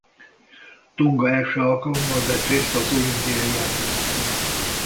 Tonga első alkalommal vett részt az olimpiai játékokon.